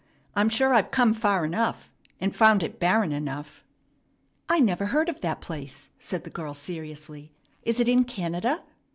I'm sure I've come far enough, and found it barren enough." "I never heard of that place," said the girl seriously; "is it in Canada?"